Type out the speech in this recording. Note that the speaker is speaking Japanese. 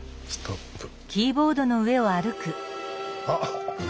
あっ。